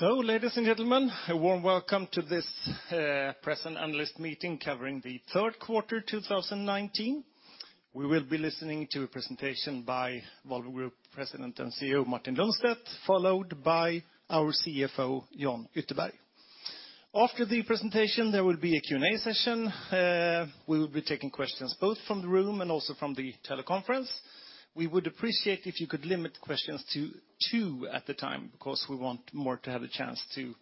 Ladies and gentlemen, a warm welcome to this press and analyst meeting covering the third quarter 2019. We will be listening to a presentation by Volvo Group President and CEO Martin Lundstedt, followed by our CFO, Jan Ytterberg. After the presentation, there will be a Q&A session. We will be taking questions both from the room and also from the teleconference. We would appreciate if you could limit questions to two at a time because we want more to have a chance to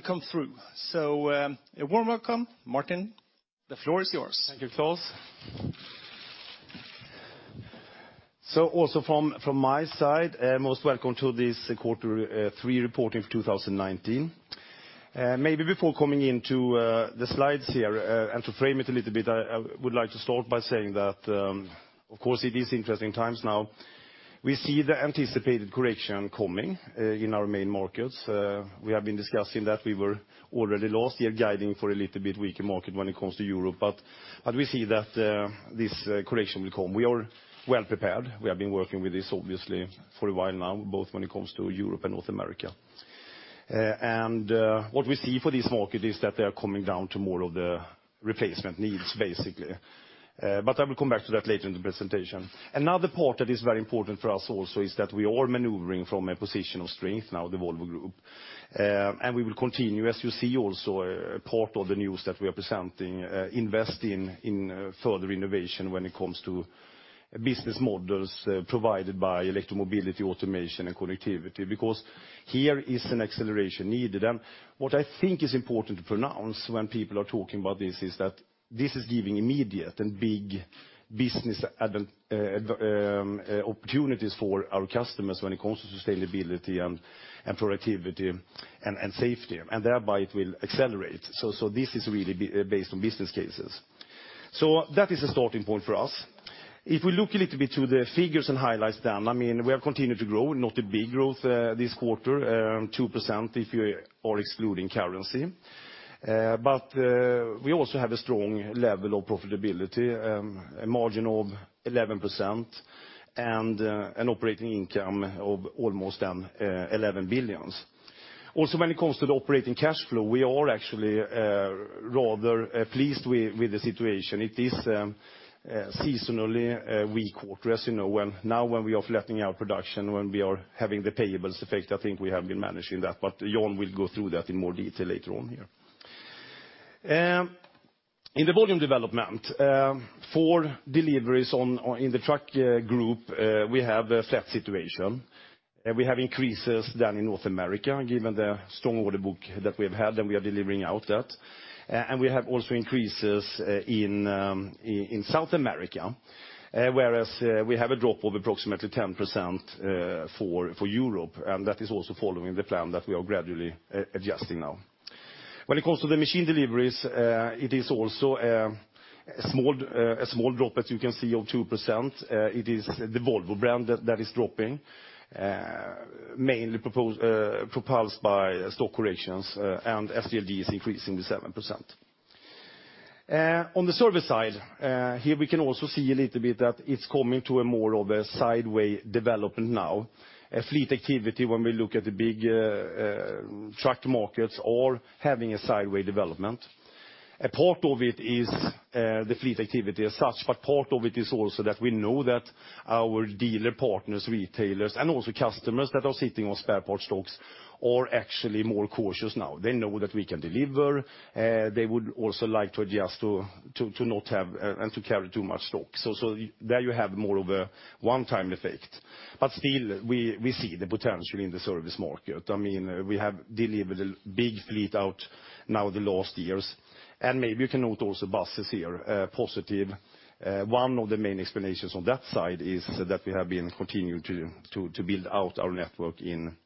come through. A warm welcome. Martin, the floor is yours. Thank you, Claes. Also from my side, most welcome to this quarter three reporting of 2019. Maybe before coming into the slides here, and to frame it a little bit, I would like to start by saying that, of course, it is interesting times now. We see the anticipated correction coming in our main markets. We have been discussing that we were already last year guiding for a little bit weaker market when it comes to Europe, We see that this correction will come. We are well prepared. We have been working with this obviously for a while now, both when it comes to Europe and North America. What we see for this market is that they are coming down to more of the replacement needs basically. I will come back to that later in the presentation. Another part that is very important for us also is that we are maneuvering from a position of strength now, the Volvo Group, and we will continue, as you see also, a part of the news that we are presenting, invest in further innovation when it comes to business models provided by electromobility, automation, and connectivity, because here is an acceleration needed. What I think is important to pronounce when people are talking about this is that this is giving immediate and big business opportunities for our customers when it comes to sustainability and productivity and safety, and thereby it will accelerate. This is really based on business cases. That is a starting point for us. If we look a little bit to the figures and highlights then, we have continued to grow. Not a big growth this quarter, 2% if you are excluding currency. We also have a strong level of profitability, a margin of 11% and an operating income of almost 11 billion. Also when it comes to the operating cash flow, we are actually rather pleased with the situation. It is a seasonally weak quarter, as you know, now when we are flattening our production, when we are having the payables effect. I think we have been managing that. Jan will go through that in more detail later on here. In the volume development, for deliveries in the truck group, we have a flat situation. We have increases down in North America, given the strong order book that we have had. We are delivering out that. We have also increases in South America. Whereas we have a drop of approximately 10% for Europe. That is also following the plan that we are gradually adjusting now. When it comes to the machine deliveries, it is also a small drop, as you can see, of 2%. It is the Volvo brand that is dropping, mainly propelled by stock corrections, and SDLG is increasing to 7%. On the service side, here we can also see a little bit that it's coming to a more of a sideway development now. Fleet activity, when we look at the big truck markets, are having a sideway development. A part of it is the fleet activity as such, but part of it is also that we know that our dealer partners, retailers, and also customers that are sitting on spare parts stocks are actually more cautious now. They know that we can deliver. They would also like to adjust to not have and to carry too much stock. There you have more of a one-time effect. Still, we see the potential in the service market. We have delivered a big fleet out now the last years, maybe you can note also buses here, positive. One of the main explanations on that side is that we have been continuing to build out our network in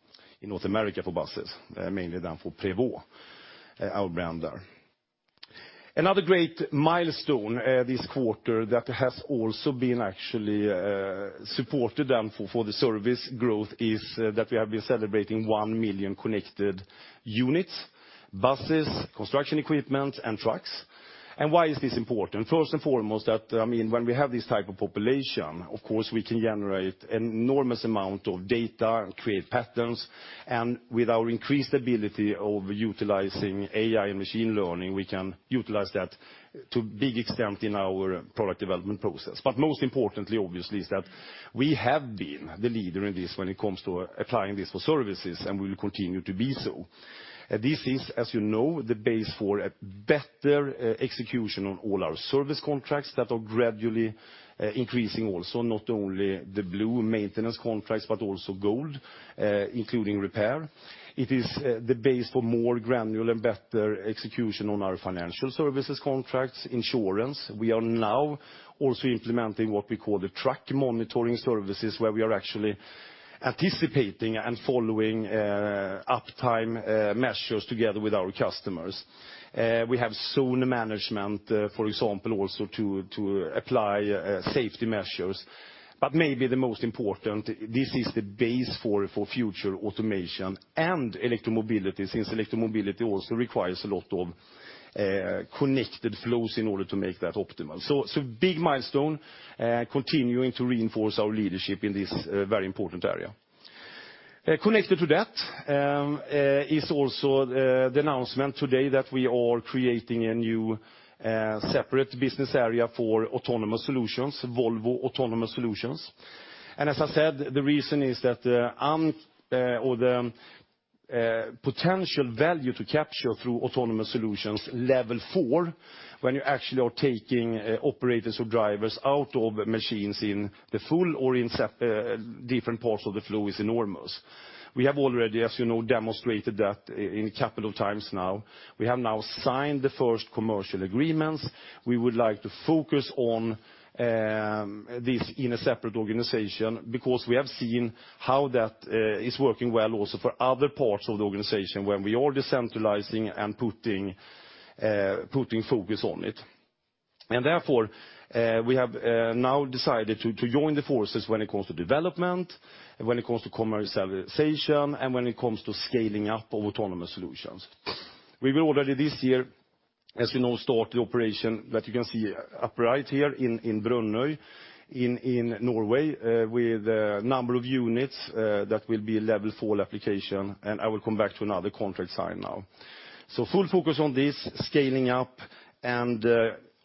North America for buses, mainly then for Prevost, our brand there. Another great milestone this quarter that has also been actually supported then for the service growth is that we have been celebrating 1 million connected units, buses, construction equipment, and trucks. Why is this important? First and foremost, when we have this type of population, of course, we can generate an enormous amount of data and create patterns. With our increased ability of utilizing AI and machine learning, we can utilize that to big extent in our product development process. Most importantly, obviously, is that we have been the leader in this when it comes to applying this for services and we will continue to be so. This is, as you know, the base for a better execution on all our service contracts that are gradually increasing also, not only the blue maintenance contracts, but also gold, including repair. It is the base for more granular and better execution on our financial services contracts, insurance. We are now also implementing what we call the truck monitoring services, where we are actually anticipating and following uptime measures together with our customers. We have zone management, for example, also to apply safety measures. Maybe the most important, this is the base for future automation and electromobility, since electromobility also requires a lot of connected flows in order to make that optimal. Big milestone, continuing to reinforce our leadership in this very important area. Connected to that is also the announcement today that we are creating a new separate business area for autonomous solutions, Volvo Autonomous Solutions. As I said, the reason is that the potential value to capture through autonomous solutions Level 4, when you actually are taking operators or drivers out of machines in the full or in different parts of the flow is enormous. We have already, as you know, demonstrated that a couple of times now. We have now signed the first commercial agreements. We would like to focus on this in a separate organization, because we have seen how that is working well also for other parts of the organization when we are decentralizing and putting focus on it. Therefore, we have now decided to join the forces when it comes to development, when it comes to commercialization, and when it comes to scaling up of autonomous solutions. We will already this year, as you know, start the operation that you can see up right here in Brønnøy, in Norway, with a number of units that will be a Level 4 application, and I will come back to another contract signed now. Full focus on this scaling up, and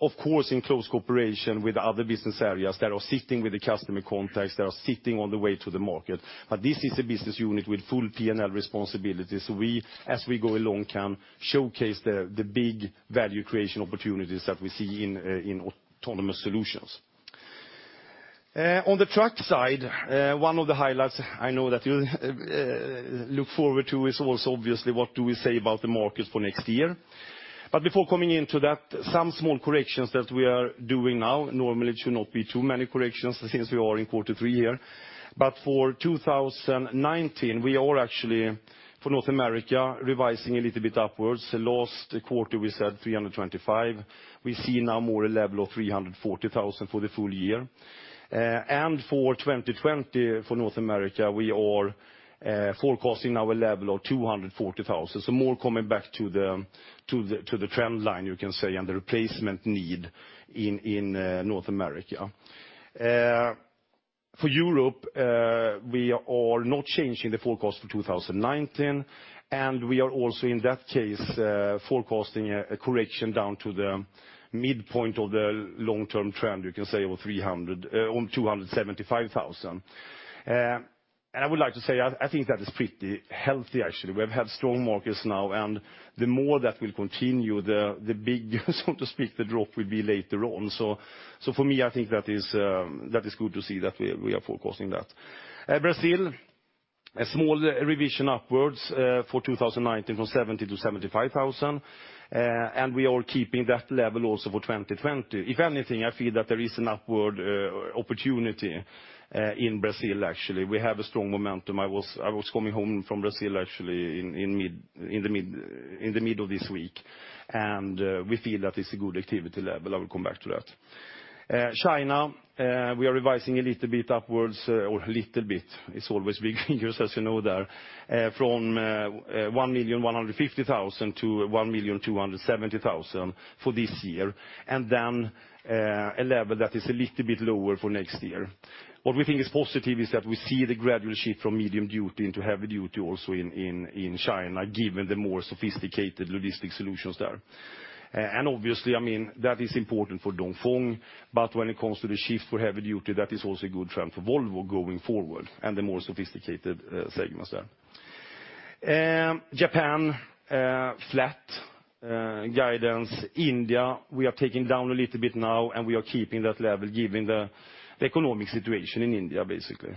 of course, in close cooperation with other business areas that are sitting with the customer contacts, that are sitting on the way to the market. This is a business unit with full P&L responsibilities. We, as we go along, can showcase the big value creation opportunities that we see in autonomous solutions. On the truck side, one of the highlights I know that you look forward to is also obviously what do we say about the market for next year. Before coming into that, some small corrections that we are doing now, normally it should not be too many corrections since we are in quarter three here. For 2019, we are actually for North America, revising a little bit upwards. Last quarter, we said 325. We see now more a level of 340,000 for the full year. For 2020, for North America, we are forecasting now a level of 240,000. More coming back to the trend line, you can say, and the replacement need in North America. For Europe, we are not changing the forecast for 2019, and we are also in that case forecasting a correction down to the midpoint of the long-term trend, you can say, of 275,000. I would like to say, I think that is pretty healthy, actually. We have had strong markets now, and the more that will continue, the big, so to speak, the drop will be later on. For me, I think that is good to see that we are forecasting that. Brazil, a small revision upwards for 2019 from 70 to 75,000. We are keeping that level also for 2020. If anything, I feel that there is an upward opportunity in Brazil, actually. We have a strong momentum. I was coming home from Brazil actually in the middle of this week, and we feel that it's a good activity level. I will come back to that. China, we are revising a little bit upwards or a little bit. It's always big years, as you know there, from 1,150,000 to 1,270,000 for this year, and then a level that is a little bit lower for next year. What we think is positive is that we see the gradual shift from medium duty into heavy duty also in China, given the more sophisticated logistic solutions there. Obviously, that is important for Dongfeng, but when it comes to the shift for heavy duty, that is also a good trend for Volvo going forward and the more sophisticated segments there. Japan, flat guidance. India, we are taking down a little bit now, and we are keeping that level given the economic situation in India, basically.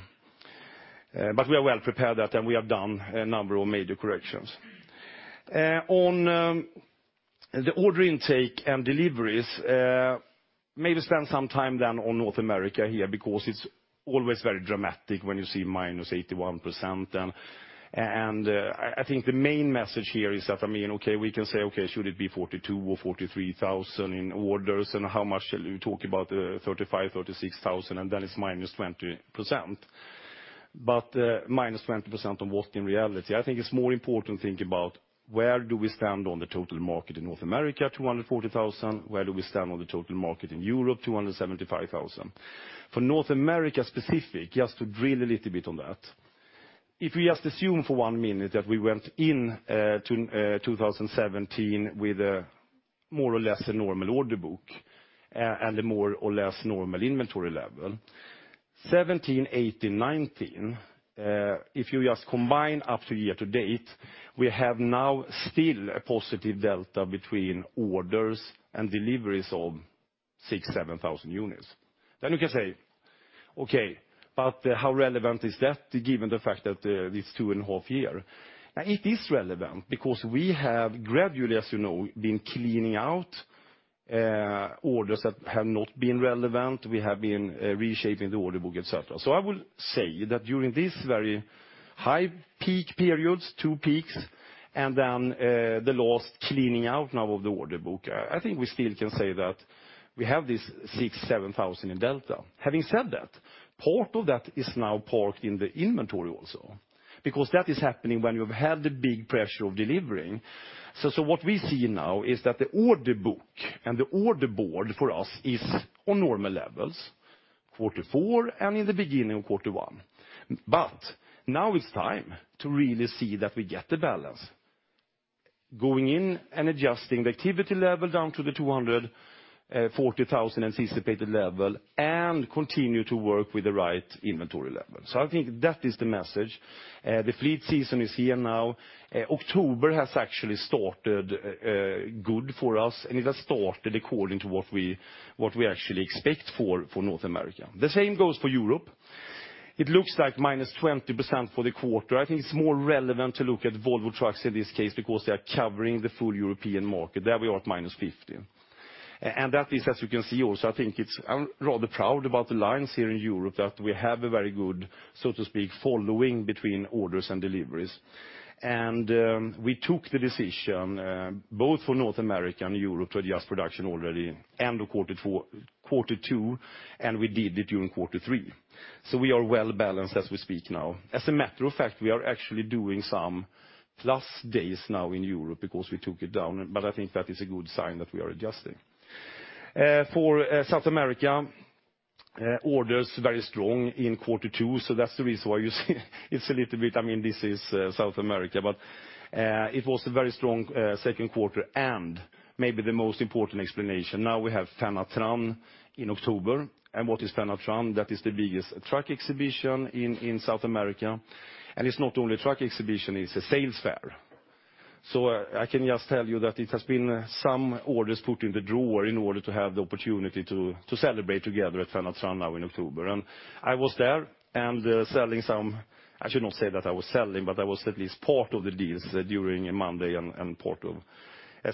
We are well prepared at that, and we have done a number of major corrections. On the order intake and deliveries, maybe spend some time on North America here, because it's always very dramatic when you see -81%. I think the main message here is that we can say, should it be 42,000 or 43,000 in orders? How much shall we talk about 35,000, 36,000? It's -20%. -20% of what in reality? I think it's more important to think about where do we stand on the total market in North America, 240,000? Where do we stand on the total market in Europe, 275,000? For North America specific, just to drill a little bit on that. If we just assume for one minute that we went into 2017 with more or less a normal order book and a more or less normal inventory level. 2017, 2018, 2019, if you just combine up to year to date, we have now still a positive delta between orders and deliveries of 6,000-7,000 units. You can say, okay, but how relevant is that given the fact that it's 2.5 years? It is relevant because we have gradually, as you know, been cleaning out orders that have not been relevant. We have been reshaping the order book, et cetera. I will say that during these very high peak periods, two peaks, and then the last cleaning out now of the order book, I think we still can say that we have this 6,000-7,000 in delta. Having said that, part of that is now parked in the inventory also, because that is happening when you've had the big pressure of delivering. What we see now is that the order book and the order board for us is on normal levels, quarter four and in the beginning of quarter one. Now it's time to really see that we get the balance. Going in and adjusting the activity level down to the 240,000 anticipated level and continue to work with the right inventory level. I think that is the message. The fleet season is here now. October has actually started good for us, and it has started according to what we actually expect for North America. The same goes for Europe. It looks like -20% for the quarter. I think it's more relevant to look at Volvo Trucks in this case because they are covering the full European market. There we are at -50. That is, as you can see also, I'm rather proud about the lines here in Europe that we have a very good, so to speak, following between orders and deliveries. We took the decision, both for North America and Europe, to adjust production already end of quarter two, and we did it during quarter three. We are well-balanced as we speak now. As a matter of fact, we are actually doing some plus days now in Europe because we took it down, but I think that is a good sign that we are adjusting. For South America, orders very strong in quarter two, that's the reason why you see it's a little bit, this is South America. It was a very strong second quarter, maybe the most important explanation, now we have Fenatran in October. What is Fenatran? That is the biggest truck exhibition in South America. It's not only a truck exhibition, it's a sales fair. I can just tell you that it has been some orders put in the drawer in order to have the opportunity to celebrate together at Fenatran now in October. I was there and I should not say that I was selling, but I was at least part of the deals during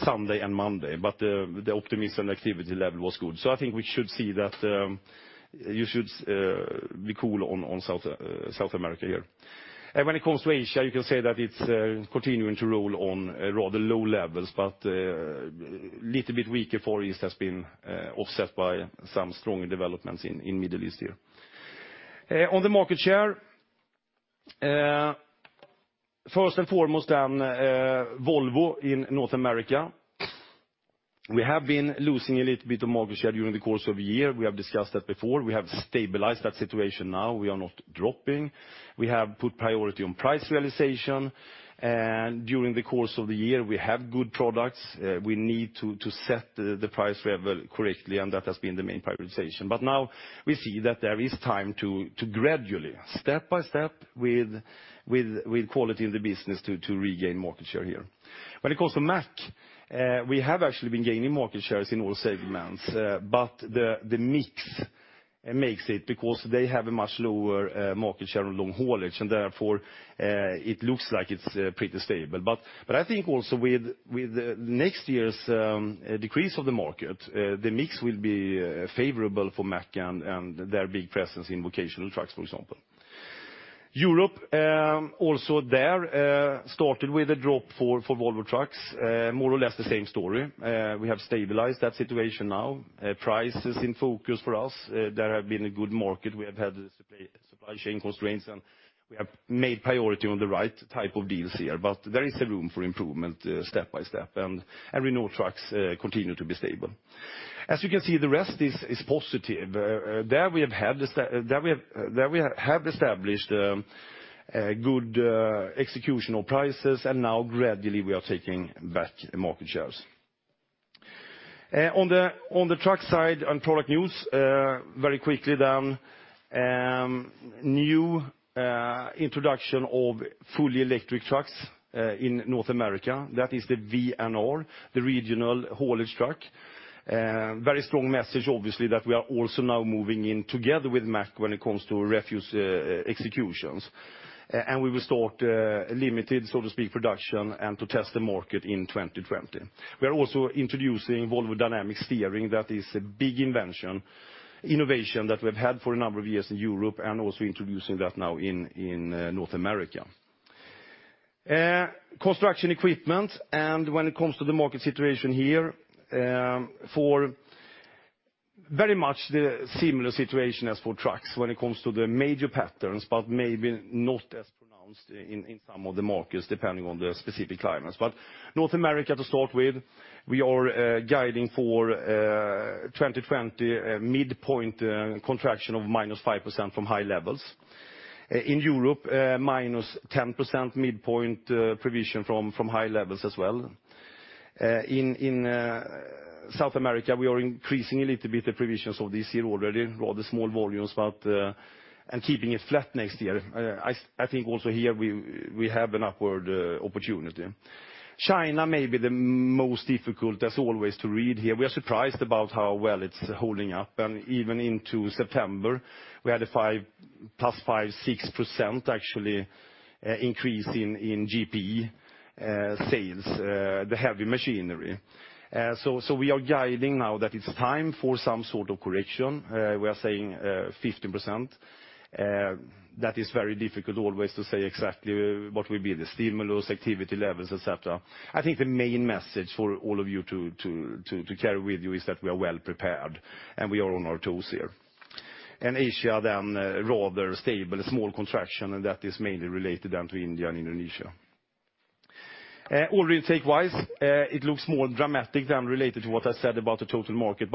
Sunday and Monday. The optimism activity level was good. I think we should see that you should be cool on South America here. When it comes to Asia, you can say that it's continuing to roll on rather low levels, but little bit weaker for it has been offset by some strong developments in Middle East here. On the market share, first and foremost, Volvo in North America, we have been losing a little bit of market share during the course of the year. We have discussed that before. We have stabilized that situation now. We are not dropping. We have put priority on price realization. During the course of the year, we have good products. We need to set the price level correctly, and that has been the main prioritization. Now we see that there is time to gradually, step by step, with quality in the business, to regain market share here. When it comes to Mack, we have actually been gaining market shares in all segments, but the mix makes it because they have a much lower market share of long haulage, and therefore, it looks like it's pretty stable. I think also with next year's decrease of the market, the mix will be favorable for Mack and their big presence in vocational trucks, for example. Europe, also there, started with a drop for Volvo Trucks. More or less the same story. We have stabilized that situation now. Price is in focus for us. There have been a good market. We have had supply chain constraints, and we have made priority on the right type of deals here. There is a room for improvement, step by step. Renault Trucks continue to be stable. As you can see, the rest is positive. There we have established good executional prices, and now gradually we are taking back market shares. On the truck side, on product news, very quickly then, new introduction of fully electric trucks in North America. That is the VNR, the regional haulage truck. Very strong message, obviously, that we are also now moving in together with Mack when it comes to refuse executions. We will start limited, so to speak, production and to test the market in 2020. We are also introducing Volvo Dynamic Steering. That is a big innovation that we've had for a number of years in Europe and also introducing that now in North America. Construction equipment, when it comes to the market situation here, for very much the similar situation as for trucks when it comes to the major patterns, but maybe not as pronounced in some of the markets, depending on the specific climates. North America to start with, we are guiding for 2020 midpoint contraction of -5% from high levels. In Europe, -10% midpoint provision from high levels as well. In South America, we are increasing a little bit the provisions of this year already, rather small volumes, and keeping it flat next year. I think also here we have an upward opportunity. China may be the most difficult, as always, to read here. We are surprised about how well it's holding up, even into September, we had a +5%-6%, actually, increase in GP sales, the heavy machinery. We are guiding now that it's time for some sort of correction. We are saying 15%. That is very difficult always to say exactly what will be the stimulus, activity levels, et cetera. I think the main message for all of you to carry with you is that we are well prepared, and we are on our toes here. Asia, rather stable, a small contraction, and that is mainly related down to India and Indonesia. Order intake wise, it looks more dramatic than related to what I said about the total market.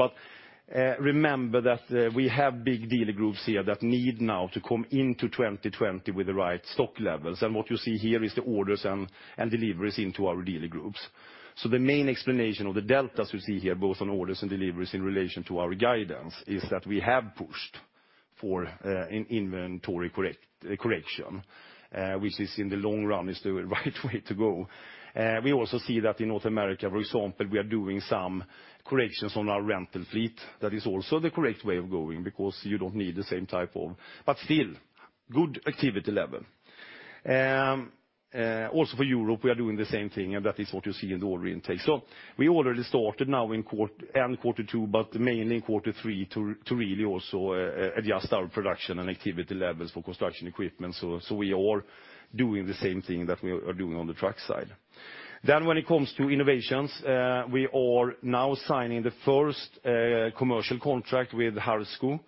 Remember that we have big dealer groups here that need now to come into 2020 with the right stock levels. What you see here is the orders and deliveries into our dealer groups. The main explanation of the deltas we see here, both on orders and deliveries in relation to our guidance, is that we have pushed for an inventory correction, which is in the long run is the right way to go. We also see that in North America, for example, we are doing some corrections on our rental fleet. That is also the correct way of going because you don't need the same type of. Still, good activity level. For Europe, we are doing the same thing, and that is what you see in the order intake. We already started now in end quarter two, but mainly in quarter three, to really also adjust our production and activity levels for construction equipment. We are doing the same thing that we are doing on the truck side. When it comes to innovations, we are now signing the first commercial contract with Harsco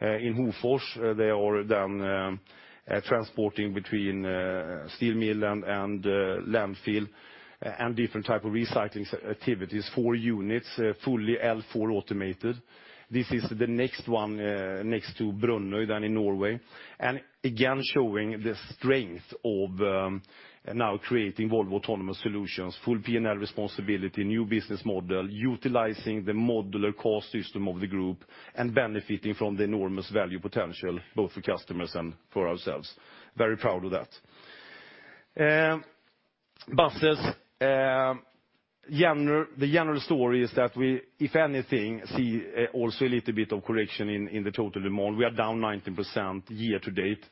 in Hofors. They are then transporting between steel mill and landfill and different type of recycling activities. 4 units, fully L4 automated. This is the next one next to Brønnøy then in Norway. Showing the strength of now creating Volvo Autonomous Solutions, full P&L responsibility, new business model, utilizing the modular core system of the group, and benefiting from the enormous value potential, both for customers and for ourselves. Very proud of that. Buses. The general story is that we, if anything, see also a little bit of correction in the total demand. We are down 19% year-to-date.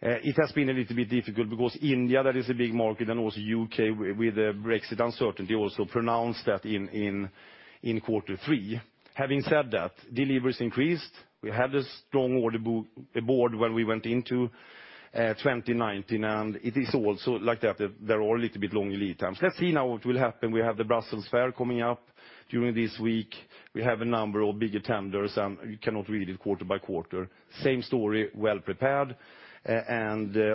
It has been a little bit difficult because India, that is a big market, and also U.K. with Brexit uncertainty also pronounced that in quarter 3. Having said that, deliveries increased. We had a strong order board when we went into 2019. It is also like that there are a little bit long lead times. Let's see now what will happen. We have the Brussels fair coming up during this week. We have a number of bigger tenders. You cannot read it quarter by quarter. Same story, well prepared.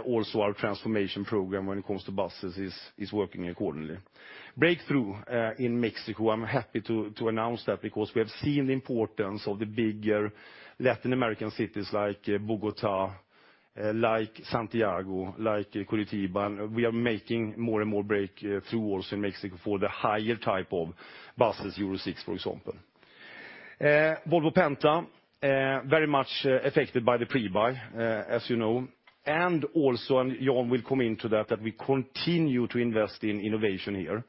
Also our transformation program when it comes to buses is working accordingly. Breakthrough in Mexico, I'm happy to announce that because we have seen the importance of the bigger Latin American cities like Bogota, like Santiago, like Curitiba. We are making more and more breakthrough also in Mexico for the higher type of buses, Euro 6, for example. Volvo Penta, very much affected by the pre-buy, as you know. Also, Jan will come into that we continue to invest in innovation here.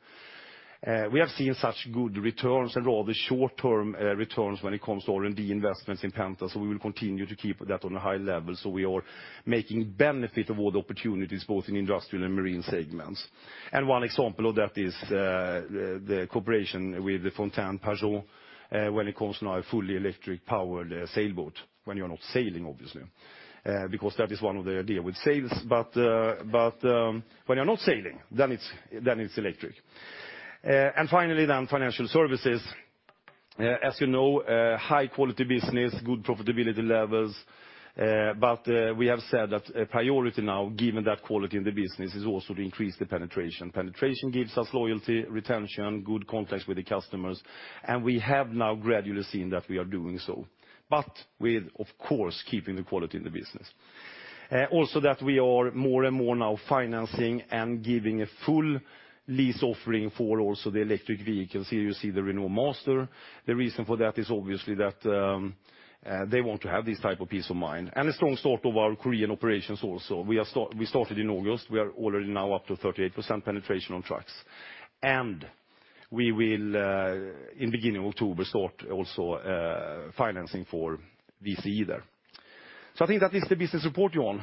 We have seen such good returns and rather short-term returns when it comes to R&D investments in Penta, we will continue to keep that on a high level. We are making benefit of all the opportunities, both in industrial and marine segments. One example of that is the cooperation with the Fountaine Pajot when it comes now a fully electric-powered sailboat, when you're not sailing, obviously. Because that is one of the idea with sails. When you're not sailing, then it's electric. Finally then, financial services. As you know, high quality business, good profitability levels. We have said that priority now, given that quality in the business, is also to increase the penetration. Penetration gives us loyalty, retention, good contacts with the customers, and we have now gradually seen that we are doing so, with, of course, keeping the quality in the business. That we are more and more now financing and giving a full lease offering for also the electric vehicles. Here you see the Renault Master. The reason for that is obviously that they want to have this type of peace of mind. A strong start of our Korean operations also. We started in August. We are already now up to 38% penetration on trucks. We will, in beginning October, start also financing for VCE there. I think that is the business report, Jan.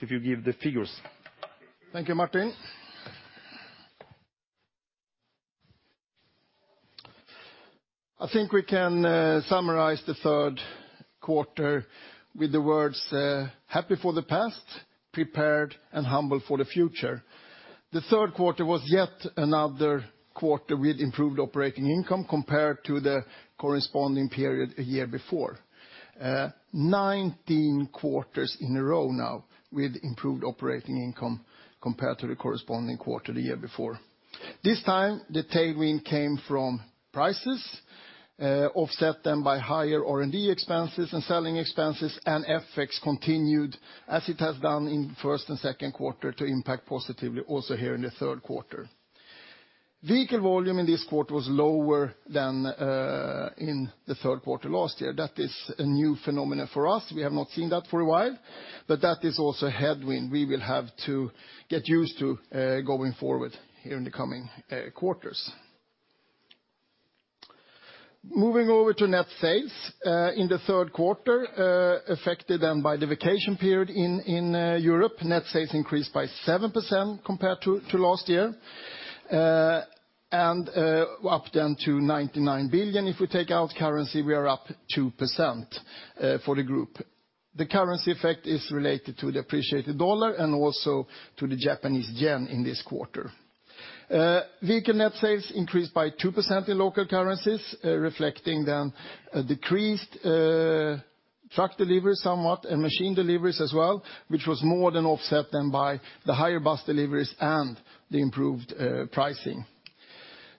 If you give the figures. Thank you, Martin. I think we can summarize the third quarter with the words happy for the past, prepared and humble for the future. The third quarter was yet another quarter with improved operating income compared to the corresponding period a year before. 19 quarters in a row now with improved operating income compared to the corresponding quarter the year before. This time, the tailwind came from prices, offset then by higher R&D expenses and selling expenses, and FX continued as it has done in first and second quarter to impact positively also here in the third quarter. Vehicle volume in this quarter was lower than in the third quarter last year. That is a new phenomenon for us. We have not seen that for a while, but that is also a headwind we will have to get used to going forward here in the coming quarters. Moving over to net sales. In the third quarter, affected then by the vacation period in Europe, net sales increased by 7% compared to last year, and up then to 99 billion. If we take out currency, we are up 2% for the group. The currency effect is related to the appreciated U.S. dollar and also to the Japanese yen in this quarter. Vehicle net sales increased by 2% in local currencies, reflecting then a decreased truck delivery somewhat and machine deliveries as well, which was more than offset then by the higher bus deliveries and the improved pricing.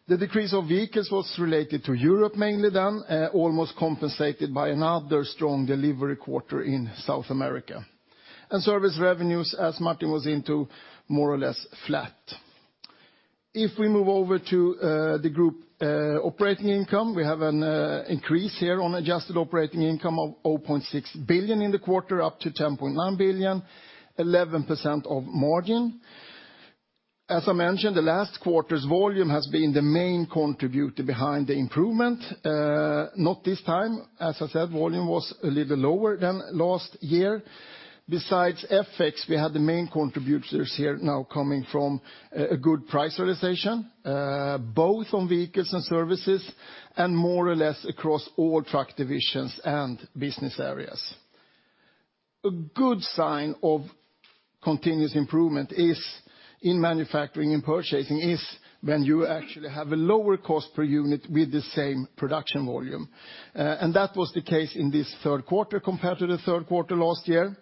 The decrease of vehicles was related to Europe mainly then, almost compensated by another strong delivery quarter in South America. Service revenues, as Martin was into, more or less flat. If we move over to the Group operating income, we have an increase here on adjusted operating income of 8.6 billion in the quarter, up to 10.9 billion, 11% of margin. As I mentioned, the last quarter's volume has been the main contributor behind the improvement. Not this time. As I said, volume was a little lower than last year. Besides FX, we had the main contributors here now coming from a good price realization, both on vehicles and services, and more or less across all truck divisions and business areas. A good sign of continuous improvement is in manufacturing and purchasing, is when you actually have a lower cost per unit with the same production volume. That was the case in this third quarter compared to the third quarter last year.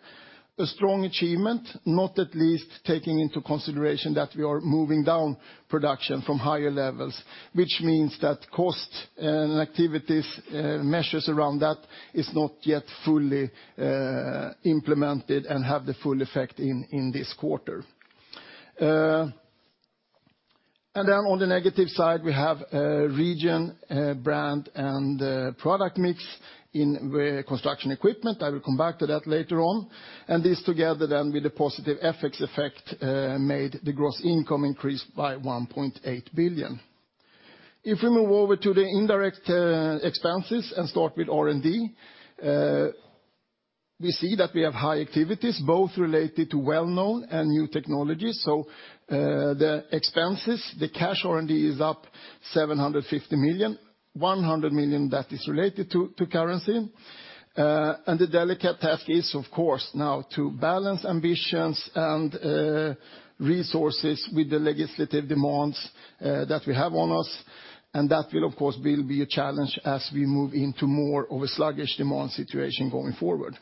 A strong achievement, not at least taking into consideration that we are moving down production from higher levels. Which means that cost and activities, measures around that is not yet fully implemented and have the full effect in this quarter. On the negative side, we have region, brand, and product mix in Construction Equipment. I will come back to that later on. This together then with the positive FX effect, made the gross income increase by 1.8 billion. If we move over to the indirect expenses and start with R&D, we see that we have high activities, both related to well-known and new technologies. The expenses, the cash R&D is up 750 million, 100 million that is related to currency. The delicate task is, of course, now to balance ambitions and resources with the legislative demands that we have on us, that will, of course, be a challenge as we move into more of a sluggish demand situation going forward.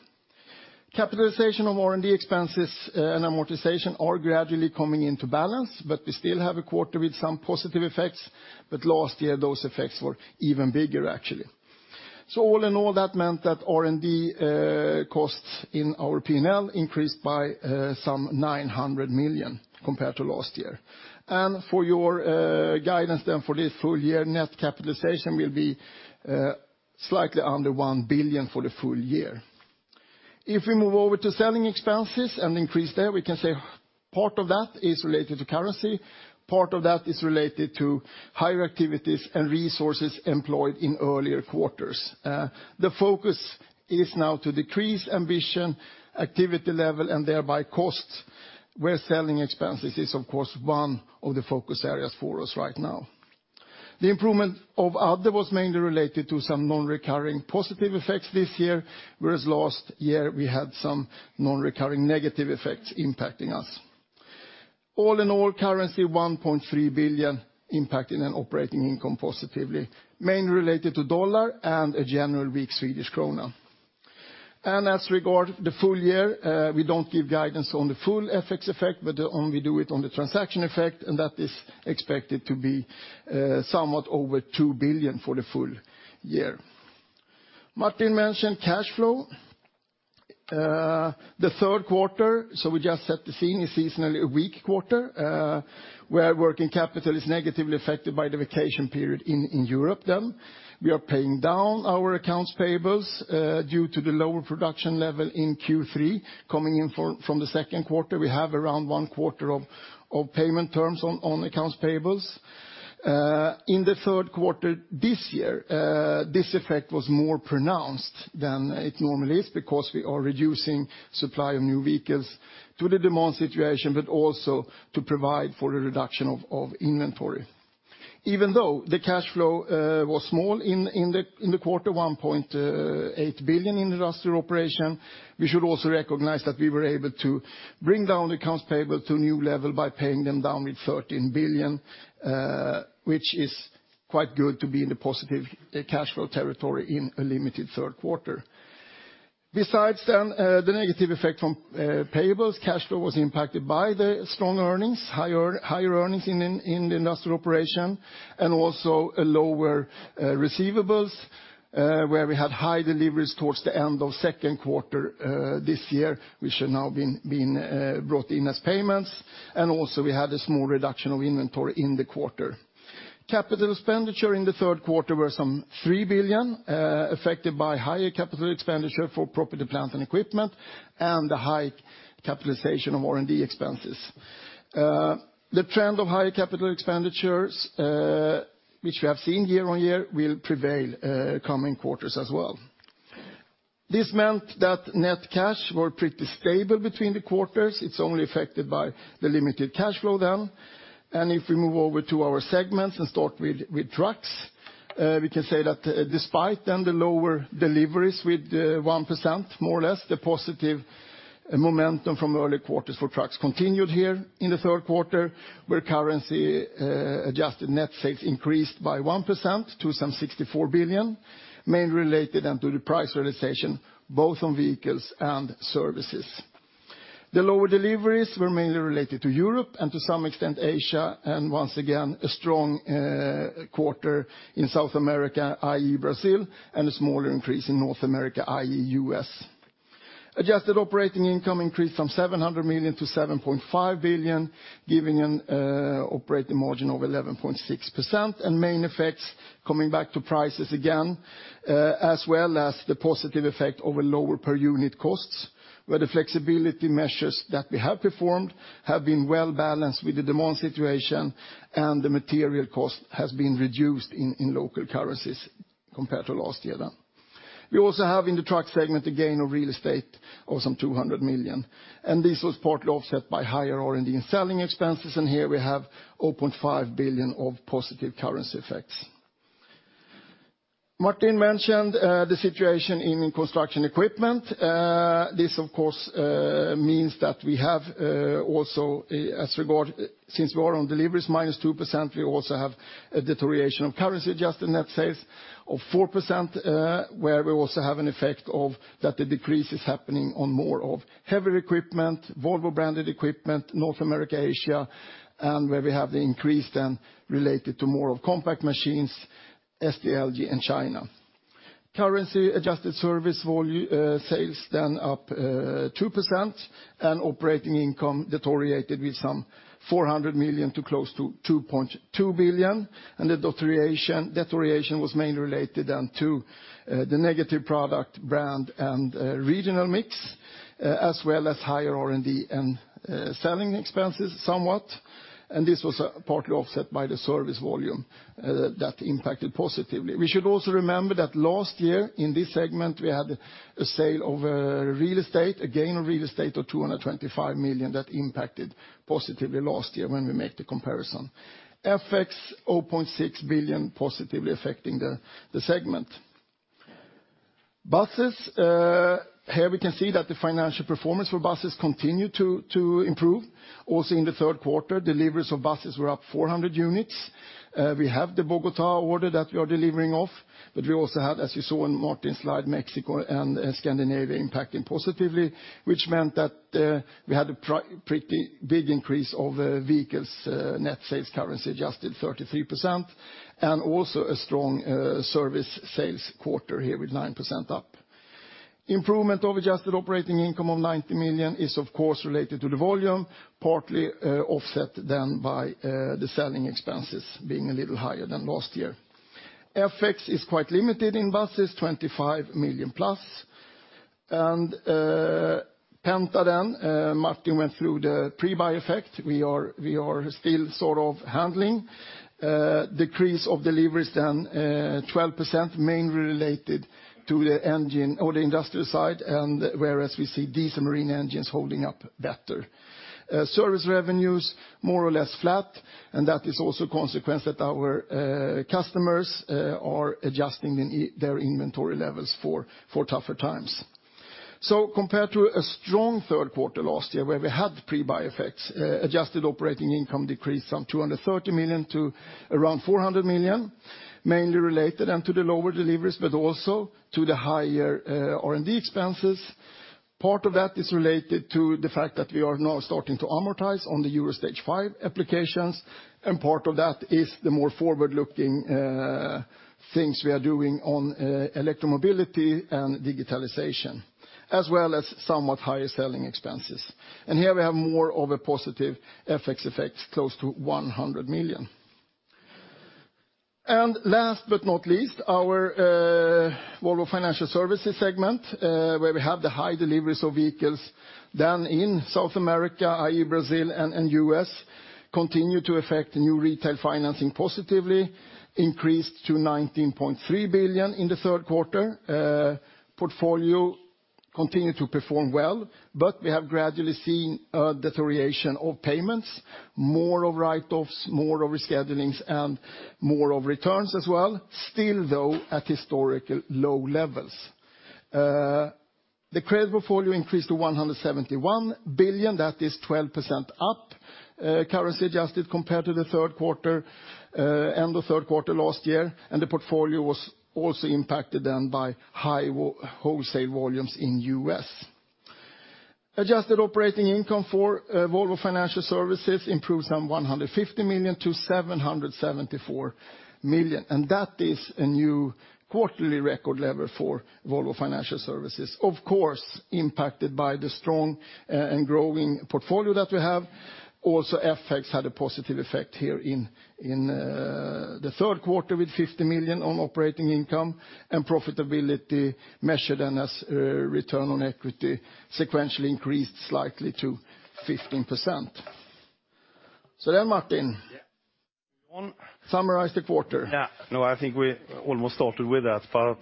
Capitalization of R&D expenses and amortization are gradually coming into balance, we still have a quarter with some positive effects, but last year, those effects were even bigger, actually. All in all, that meant that R&D costs in our P&L increased by some 900 million compared to last year. For your guidance for this full year, net capitalization will be slightly under 1 billion for the full year. If we move over to selling expenses and increase there, we can say part of that is related to currency, part of that is related to higher activities and resources employed in earlier quarters. The focus is now to decrease ambition, activity level, and thereby costs, where selling expenses is, of course, one of the focus areas for us right now. The improvement of other was mainly related to some non-recurring positive effects this year, whereas last year we had some non-recurring negative effects impacting us. Currency, 1.3 billion impact in an operating income positively, mainly related to U.S. dollar and a general weak Swedish krona. As regards the full year, we don't give guidance on the full FX effect, but only do it on the transaction effect, that is expected to be somewhat over 2 billion for the full year. Martin mentioned cash flow. The third quarter, so we just set the scene, is seasonally a weak quarter, where working capital is negatively affected by the vacation period in Europe then. We are paying down our accounts payables due to the lower production level in Q3 coming in from the second quarter. We have around one quarter of payment terms on accounts payables. In the third quarter this year, this effect was more pronounced than it normally is because we are reducing supply of new vehicles to the demand situation, also to provide for a reduction of inventory. Even though the cash flow was small in the quarter, 1.8 billion in industrial operation, we should also recognize that we were able to bring down accounts payable to a new level by paying them down with 13 billion, which is quite good to be in the positive cash flow territory in a limited third quarter. Besides then the negative effect from payables, cash flow was impacted by the strong earnings, higher earnings in the industrial operation, and also a lower receivables, where we had high deliveries towards the end of second quarter this year, which have now been brought in as payments. We had a small reduction of inventory in the quarter. Capital expenditure in the third quarter were some 3 billion, affected by higher capital expenditure for property, plant, and equipment, and the high capitalization of R&D expenses. The trend of higher capital expenditures, which we have seen year-on-year, will prevail coming quarters as well. This meant that net cash were pretty stable between the quarters. It's only affected by the limited cash flow then. If we move over to our segments and start with trucks. We can say that despite the lower deliveries with 1%, more or less, the positive momentum from early quarters for trucks continued here in the third quarter, where currency-adjusted net sales increased by 1% to some 64 billion, mainly related to the price realization, both on vehicles and services. The lower deliveries were mainly related to Europe and to some extent, Asia, and once again, a strong quarter in South America, i.e., Brazil, and a smaller increase in North America, i.e., U.S. Adjusted operating income increased from 700 million to 7.5 billion, giving an operating margin of 11.6%. Main effects coming back to prices again, as well as the positive effect of lower per unit costs, where the flexibility measures that we have performed have been well-balanced with the demand situation, and the material cost has been reduced in local currencies compared to last year. We also have, in the truck segment, a gain of real estate of some 200 million. This was partly offset by higher R&D and selling expenses. Here we have 0.5 billion of positive currency effects. Martin mentioned the situation in construction equipment. This, of course, means that we have also, since we are on deliveries -2%, we also have a deterioration of currency-adjusted net sales of 4%, where we also have an effect of that the decrease is happening on more of heavier equipment, Volvo-branded equipment, North America, Asia, and where we have the increase then related to more of compact machines, SDLG, and China. Currency-adjusted service sales then up 2%, operating income deteriorated with some 400 million to close to 2.2 billion. The deterioration was mainly related to the negative product brand and regional mix, as well as higher R&D and selling expenses somewhat. This was partly offset by the service volume that impacted positively. We should also remember that last year in this segment, we had a sale of real estate, a gain of real estate of 225 million that impacted positively last year when we make the comparison. FX, 0.6 billion positively affecting the segment. Buses, here we can see that the financial performance for buses continued to improve. Also in the third quarter, deliveries of buses were up 400 units. We have the Bogota order that we are delivering of, but we also have, as you saw in Martin Lundstedt's slide, Mexico and Scandinavia impacting positively, which meant that we had a pretty big increase of vehicles net sales currency-adjusted, 33%, and also a strong service sales quarter here with 9% up. Improvement of adjusted operating income of 90 million is, of course, related to the volume, partly offset then by the selling expenses being a little higher than last year. FX is quite limited in buses, 25 million plus. Penta, Martin went through the pre-buy effect. We are still handling. Decrease of deliveries then, 12%, mainly related to the engine or the industrial side, whereas we see diesel marine engines holding up better. Service revenues, more or less flat, that is also a consequence that our customers are adjusting their inventory levels for tougher times. Compared to a strong third quarter last year where we had pre-buy effects, adjusted operating income decreased some 230 million to around 400 million, mainly related to the lower deliveries, but also to the higher R&D expenses. Part of that is related to the fact that we are now starting to amortize on the Euro Stage V applications, and part of that is the more forward-looking things we are doing on electro-mobility and digitalization, as well as somewhat higher selling expenses. Here we have more of a positive FX effect, close to 100 million. Last but not least, our Volvo Financial Services segment, where we have the high deliveries of vehicles. In South America, i.e., Brazil and U.S., continue to affect new retail financing positively, increased to 19.3 billion in the third quarter. Portfolio continued to perform well, but we have gradually seen a deterioration of payments, more of write-offs, more of schedulings, and more of returns as well. Still, though, at historical low levels. The credit portfolio increased to 171 billion. That is 12% up currency-adjusted compared to the third quarter, end of third quarter last year, and the portfolio was also impacted then by high wholesale volumes in U.S. Adjusted operating income for Volvo Financial Services improved some 150 million to 774 million. That is a new quarterly record level for Volvo Financial Services, of course, impacted by the strong and growing portfolio that we have. Also, FX had a positive effect here in the third quarter with 50 million on operating income, and profitability measured as return on equity sequentially increased slightly to 15%. Martin. Yeah. Summarize the quarter. Yeah. No, I think we almost started with that, but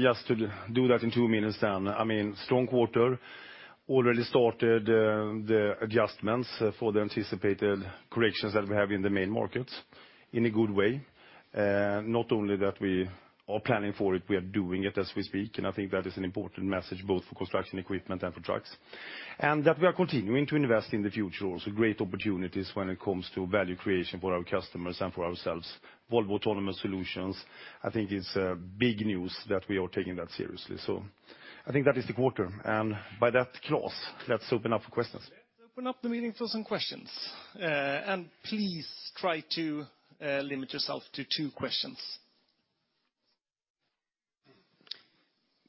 just to do that in two minutes then. Strong quarter. Already started the adjustments for the anticipated corrections that we have in the main markets in a good way. Not only that we are planning for it, we are doing it as we speak, and I think that is an important message both for construction equipment and for trucks. That we are continuing to invest in the future. Also great opportunities when it comes to value creation for our customers and for ourselves. Volvo Autonomous Solutions, I think it's big news that we are taking that seriously. I think that is the quarter, and by that, Claes, let's open up for questions. Let's open up the meeting for some questions. Please try to limit yourself to two questions.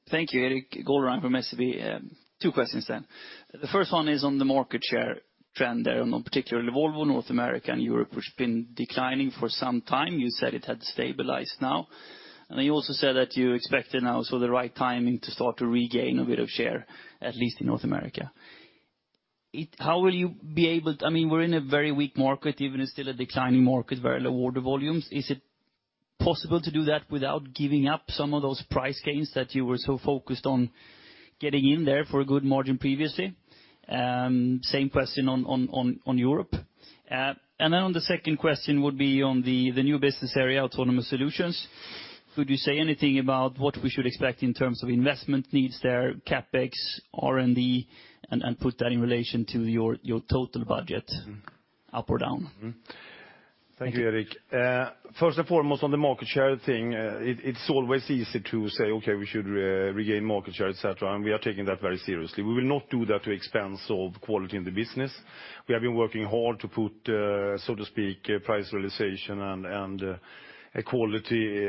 Thank you, Erik. Göran from SEB. Two questions. The first one is on the market share trend there, on particularly Volvo, North America, and Europe, which has been declining for some time. You said it had stabilized now. You also said that you expected now, the right timing to start to regain a bit of share, at least in North America. We're in a very weak market, even it's still a declining market, very low order volumes. Is it possible to do that without giving up some of those price gains that you were so focused on getting in there for a good margin previously? Same question on Europe. On the second question would be on the new business area, Autonomous Solutions. Could you say anything about what we should expect in terms of investment needs there, CapEx, R&D, and put that in relation to your total budget up or down? Thank you, Erik. First and foremost on the market share thing, it's always easy to say, okay, we should regain market share, et cetera. We are taking that very seriously. We will not do that to expense of quality in the business. We have been working hard to put, so to speak, price realization and quality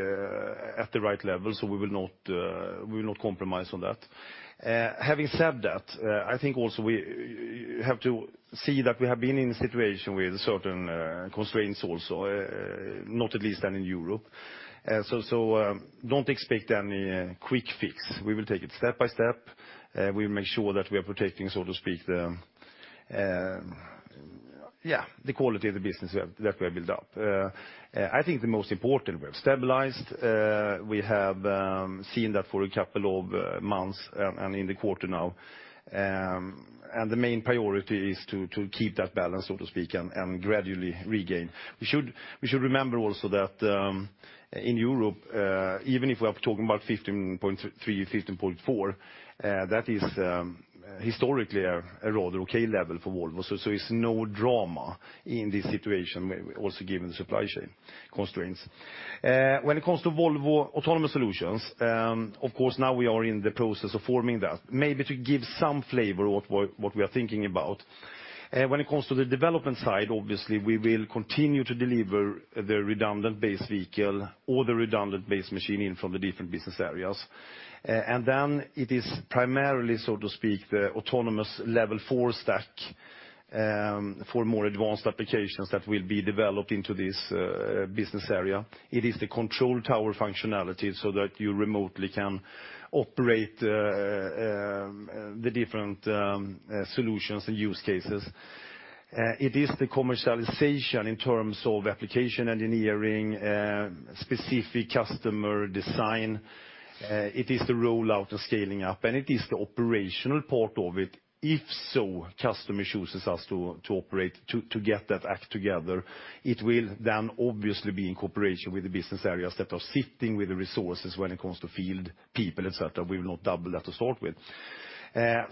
at the right level. We will not compromise on that. Having said that, I think also we have to see that we have been in a situation with certain constraints also, not at least than in Europe. Don't expect any quick fix. We will take it step by step. We will make sure that we are protecting, so to speak, the quality of the business that we have built up. I think the most important, we have stabilized. We have seen that for a couple of months and in the quarter now. The main priority is to keep that balance, so to speak, and gradually regain. We should remember also that in Europe, even if we are talking about 15.3, 15.4, that is historically a rather okay level for Volvo. It's no drama in this situation, also given the supply chain constraints. When it comes to Volvo Autonomous Solutions, of course, now we are in the process of forming that, maybe to give some flavor of what we are thinking about. When it comes to the development side, obviously, we will continue to deliver the redundant base vehicle or the redundant base machine in from the different business areas. Then it is primarily, so to speak, the autonomous Level 4 stack for more advanced applications that will be developed into this business area. It is the control tower functionality so that you remotely can operate the different solutions and use cases. It is the commercialization in terms of application engineering, specific customer design. It is the rollout and scaling up, and it is the operational part of it. If so, customer chooses us to operate to get that act together. It will then obviously be in cooperation with the business areas that are sitting with the resources when it comes to field people, et cetera. We will not double that to start with. That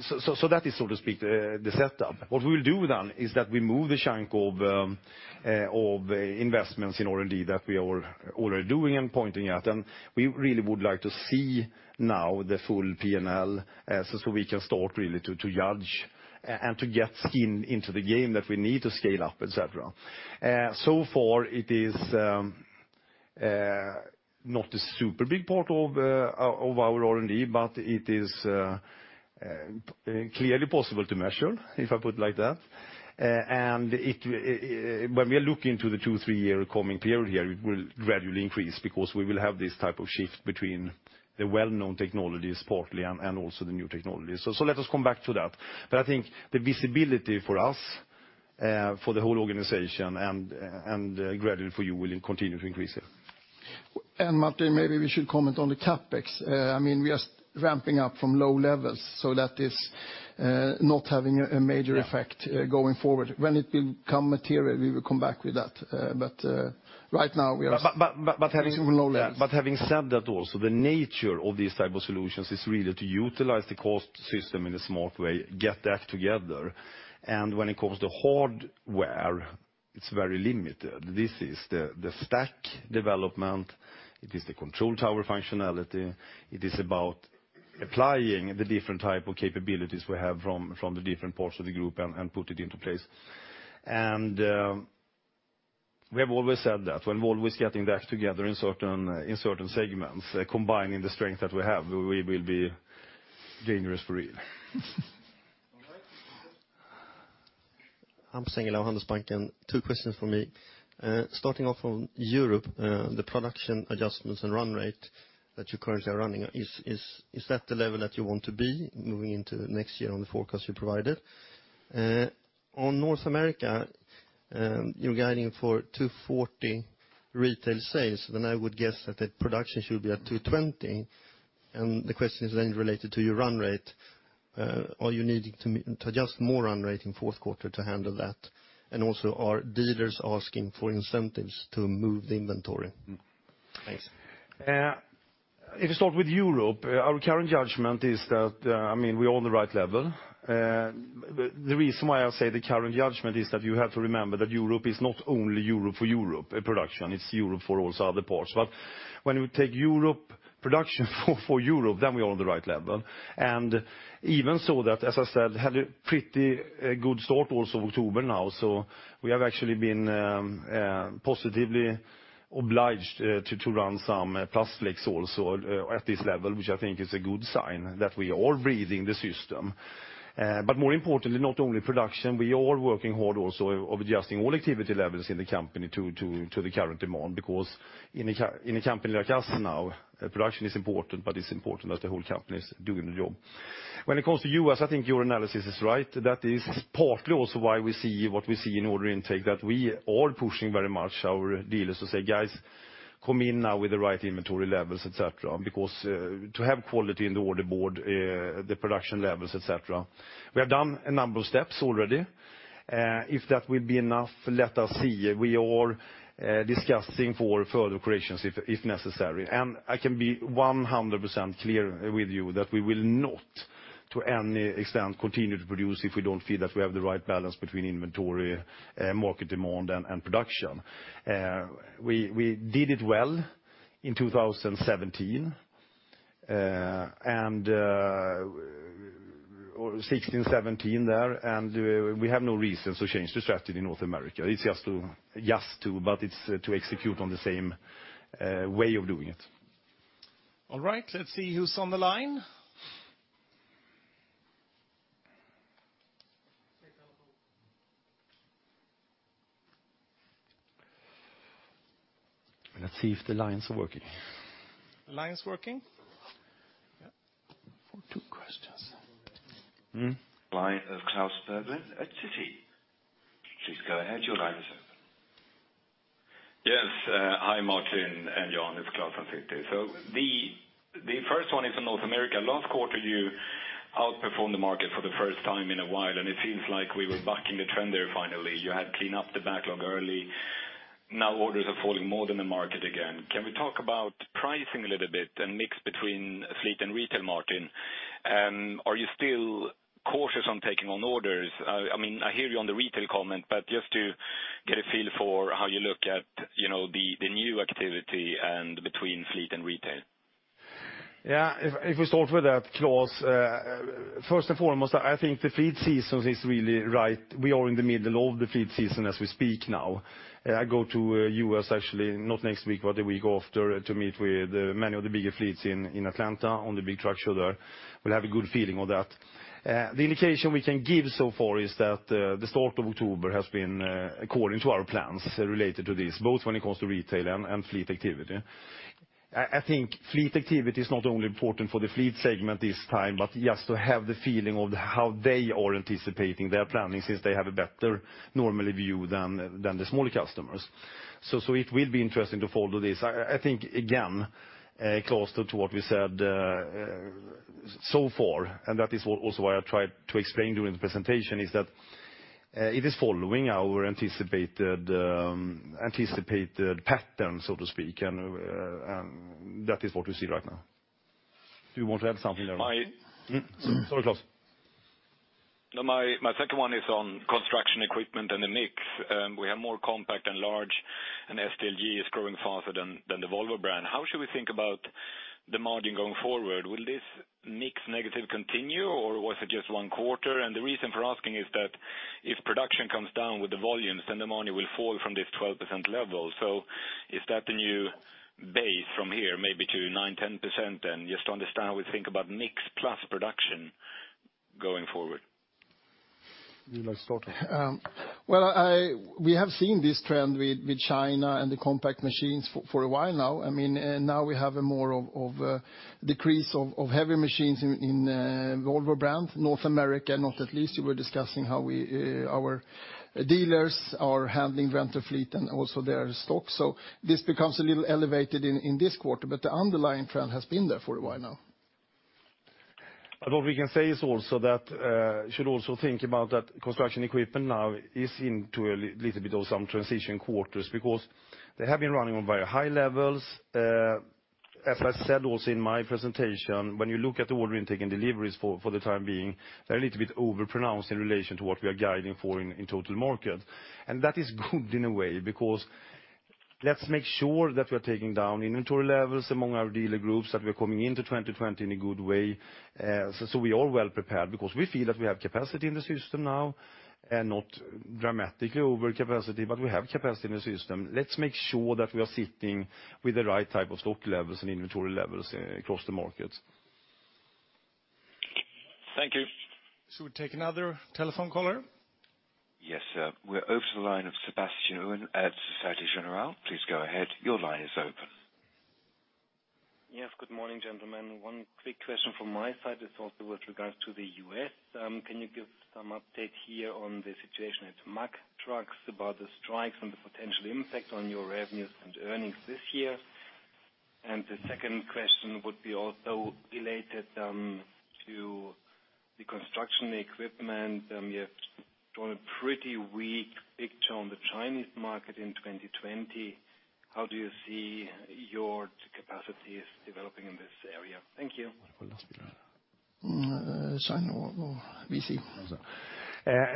is, so to speak, the setup. What we will do then is that we move a chunk of investments in R&D that we are already doing and pointing at, and we really would like to see now the full P&L, so we can start really to judge and to get skin into the game that we need to scale up, et cetera. Far it is not a super big part of our R&D, but it is clearly possible to measure, if I put it like that. When we are looking to the two, three-year coming period here, it will gradually increase because we will have this type of shift between the well-known technologies partly and also the new technologies. Let us come back to that. I think the visibility for us, for the whole organization and gradually for you will continue to increase here. Martin, maybe we should comment on the CapEx. We are ramping up from low levels, so that is not having a major effect going forward. When it will become material, we will come back with that. Right now we are. Having said that also, the nature of these type of solutions is really to utilize the cost system in a smart way, get that together. When it comes to hardware, it's very limited. This is the stack development. It is the control tower functionality. It is about applying the different type of capabilities we have from the different parts of the Group and put it into place. We have always said that when Volvo is getting that together in certain segments, combining the strength that we have, we will be dangerous for real. All right. Hampus Engellau, Handelsbanken. Two questions from me. Starting off from Europe, the production adjustments and run rate that you currently are running, is that the level that you want to be moving into next year on the forecast you provided? On North America, you're guiding for 240 retail sales, then I would guess that the production should be at 220. The question is then related to your run rate. Are you needing to adjust more run rate in fourth quarter to handle that? Also, are dealers asking for incentives to move the inventory? Thanks. If you start with Europe, our current judgment is that we are on the right level. The reason why I say the current judgment is that you have to remember that Europe is not only Europe for Europe production, it's Europe for also other parts. When we take Europe production for Europe, then we are on the right level. Even so that, as I said, had a pretty good start also October now. We have actually been positively obliged to run some plus flex also at this level, which I think is a good sign that we are breathing the system. More importantly, not only production, we are working hard also of adjusting all activity levels in the company to the current demand. Because in a company like us now, production is important, but it's important that the whole company is doing the job. When it comes to you, as I think your analysis is right, that is partly also why we see what we see in order intake, that we are pushing very much our dealers to say, "Guys, come in now with the right inventory levels, et cetera," to have quality in the order board, the production levels, et cetera. We have done a number of steps already. If that will be enough, let us see. We are discussing for further corrections if necessary. I can be 100% clear with you that we will not, to any extent, continue to produce if we don't feel that we have the right balance between inventory, market demand, and production. We did it well in 2017, or 2016, 2017 there, and we have no reasons to change the strategy in North America. It's just to execute on the same way of doing it. All right. Let's see who's on the line. Let's see if the lines are working. Lines working? Yep. For two questions. Mm-hmm. Line of Klas Bergelind at Citi. Please go ahead, your line is open. Yes. Hi, Martin and Jan, it's Klas from Citi. The first one is on North America. Last quarter, you outperformed the market for the first time in a while. It seems like we were bucking the trend there finally. You had cleaned up the backlog early. Now orders are falling more than the market again. Can we talk about pricing a little bit, and mix between fleet and retail, Martin? Are you still cautious on taking on orders? I hear you on the retail comment. Just to get a feel for how you look at the new activity and between fleet and retail. Yeah. If we start with that, Klas, first and foremost, we are in the middle of the fleet season as we speak now. I go to U.S. actually not next week, but the week after to meet with many of the bigger fleets in Atlanta on the big truck show there. We'll have a good feeling of that. The indication we can give so far is that the start of October has been according to our plans related to this, both when it comes to retail and fleet activity. I think fleet activity is not only important for the fleet segment this time, but just to have the feeling of how they are anticipating their planning, since they have a better, normally, view than the smaller customers. It will be interesting to follow this. I think, again, Claes, to what we said so far, that is also what I tried to explain during the presentation, is that it is following our anticipated pattern, so to speak. That is what we see right now. Do you want to add something there? I- Sorry, Claes. No, my second one is on construction equipment and the mix. We have more compact and large, and SDLG is growing faster than the Volvo brand. How should we think about the margin going forward? Will this mix negative continue, or was it just one quarter? The reason for asking is that if production comes down with the volumes, then the margin will fall from this 12% level. Is that the new base from here, maybe to 9%-10% then? Just to understand how we think about mix plus production going forward. Would you like to start? Well, we have seen this trend with China and the compact machines for a while now. We have a more of a decrease of heavier machines in Volvo brand. North America, not at least, you were discussing how our dealers are handling rental fleet and also their stock. This becomes a little elevated in this quarter, but the underlying trend has been there for a while now. What we can say is also that should also think about that construction equipment now is into a little bit of some transition quarters, because they have been running on very high levels. As I said also in my presentation, when you look at the order intake and deliveries for the time being, they're a little bit overpronounced in relation to what we are guiding for in total market. That is good in a way, because let's make sure that we're taking down inventory levels among our dealer groups, that we're coming into 2020 in a good way, so we are well prepared. We feel that we have capacity in the system now, and not dramatically over capacity, but we have capacity in the system. Let's make sure that we are sitting with the right type of stock levels and inventory levels across the markets. Thank you. Should we take another telephone caller? Yes, sir. We're open to the line of Sébastien Wetter at Societe Generale. Please go ahead. Your line is open. Yes. Good morning, gentlemen. One quick question from my side is also with regards to the U.S. Can you give some update here on the situation at Mack Trucks about the strikes and the potential impact on your revenues and earnings this year? The second question would be also related to the construction equipment. You have drawn a pretty weak picture on the Chinese market in 2020. How do you see your capacities developing in this area? Thank you.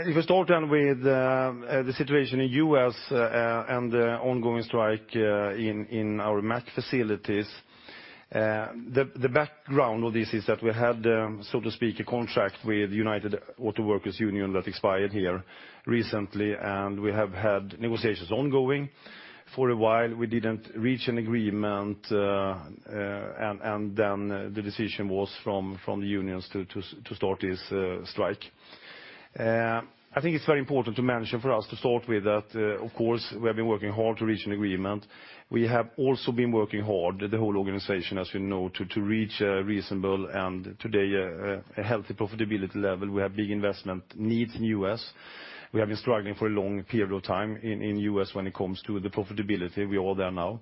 If I start then with the situation in the U.S., and the ongoing strike in our Mack facilities. The background of this is that we had, so to speak, a contract with United Auto Workers that expired here recently. We have had negotiations ongoing for a while. We didn't reach an agreement. The decision was from the unions to start this strike. I think it's very important to mention for us to start with that, of course, we have been working hard to reach an agreement. We have also been working hard, the whole organization, as we know, to reach a reasonable and today a healthy profitability level. We have big investment needs in the U.S. We have been struggling for a long period of time in the U.S. when it comes to the profitability. We are there now.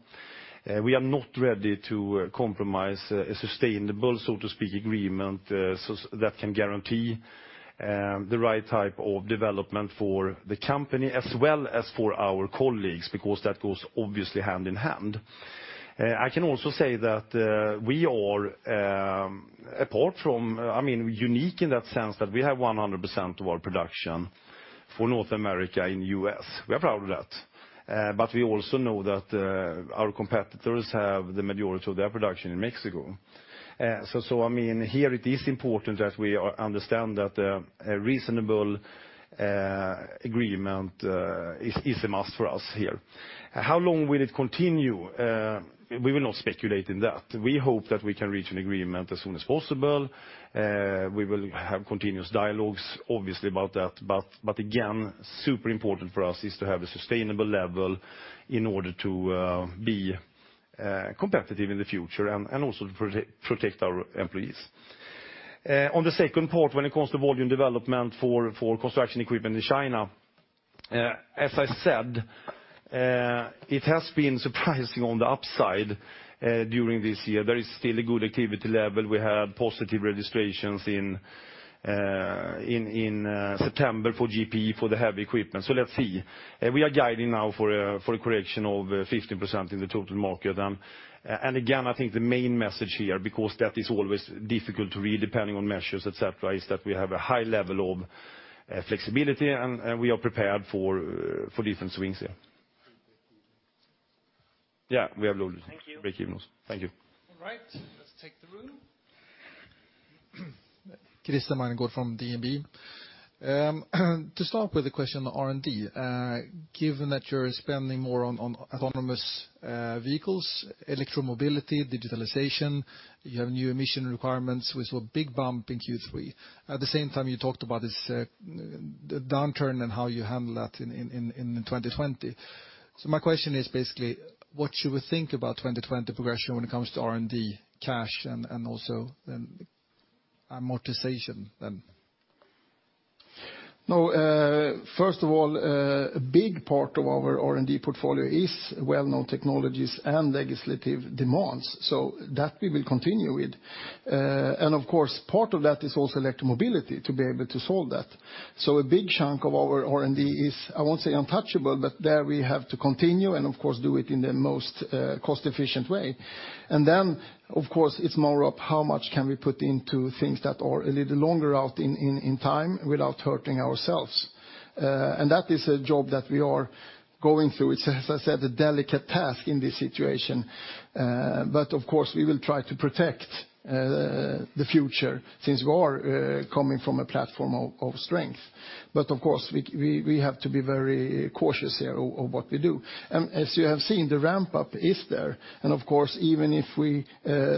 We are not ready to compromise a sustainable, so to speak, agreement, so that can guarantee the right type of development for the company as well as for our colleagues, because that goes obviously hand in hand. I can also say that we are unique in that sense that we have 100% of our production for North America in U.S. We are proud of that. We also know that our competitors have the majority of their production in Mexico. Here it is important that we understand that a reasonable agreement is a must for us here. How long will it continue? We will not speculate in that. We hope that we can reach an agreement as soon as possible. We will have continuous dialogues, obviously, about that. Again, super important for us is to have a sustainable level in order to be competitive in the future and also to protect our employees. On the second part, when it comes to volume development for construction equipment in China, as I said, it has been surprising on the upside during this year. There is still a good activity level. We had positive registrations in September for GP for the heavy equipment, so let's see. We are guiding now for a correction of 15% in the total market. Again, I think the main message here, because that is always difficult to read depending on measures, et cetera, is that we have a high level of flexibility, and we are prepared for different swings here. Thank you. Yeah, we have break even also. Thank you. All right, let's take the room. Christer Meineche from DNB. To start with the question, R&D. Given that you're spending more on autonomous vehicles, electromobility, digitalization, you have new emission requirements. We saw a big bump in Q3. At the same time, you talked about this downturn and how you handle that in 2020. My question is basically, what should we think about 2020 progression when it comes to R&D, cash, and also amortization then? First of all, a big part of our R&D portfolio is well-known technologies and legislative demands. That we will continue with. Of course, part of that is also electro mobility, to be able to solve that. A big chunk of our R&D is, I won't say untouchable, but there we have to continue and of course, do it in the most cost-efficient way. Of course, it's more of how much can we put into things that are a little longer out in time without hurting ourselves. That is a job that we are going through. It's, as I said, a delicate task in this situation. Of course, we will try to protect the future since we are coming from a platform of strength. Of course, we have to be very cautious here of what we do. As you have seen, the ramp-up is there. Of course, even if we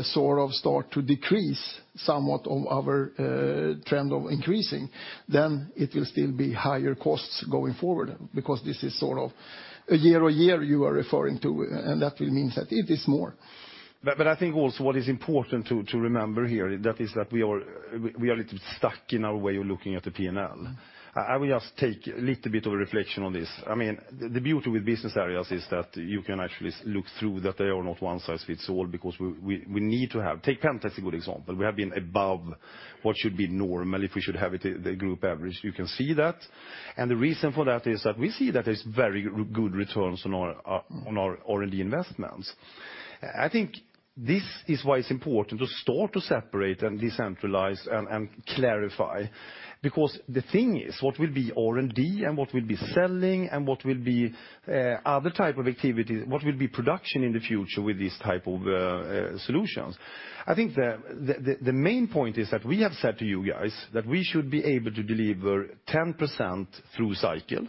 sort of start to decrease somewhat of our trend of increasing, then it will still be higher costs going forward, because this is sort of a year-on-year you are referring to, and that will mean that it is more. I think also what is important to remember here, that is that we are a little bit stuck in our way of looking at the P&L. I will just take a little bit of a reflection on this. The beauty with business areas is that you can actually look through, that they are not one size fits all because Take Penta as a good example. We have been above what should be normal if we should have it the group average. You can see that. The reason for that is that we see that there's very good returns on our R&D investments. I think this is why it's important to start to separate and decentralize and clarify. The thing is, what will be R&D, and what will be selling, and what will be other type of activities? What will be production in the future with these type of solutions? I think the main point is that we have said to you guys that we should be able to deliver 10% through cycle.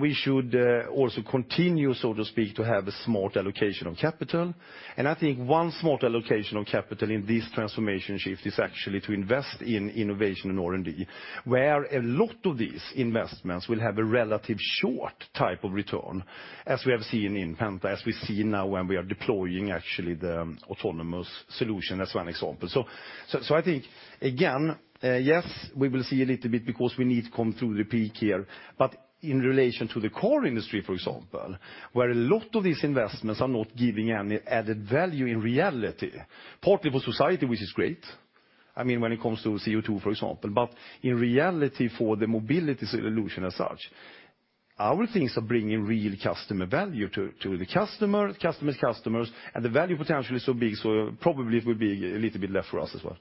We should also continue, so to speak, to have a smart allocation of capital. I think one smart allocation of capital in this transformation shift is actually to invest in innovation and R&D, where a lot of these investments will have a relative short type of return, as we have seen in Penta, as we see now when we are deploying actually the autonomous solution. That's one example. I think, again, yes, we will see a little bit because we need to come through the peak here. In relation to the core industry, for example, where a lot of these investments are not giving any added value in reality. Partly for society, which is great. When it comes to CO2, for example. In reality, for the mobility solution as such, our things are bringing real customer value to the customer's customers, and the value potential is so big, so probably it will be a little bit left for us as well.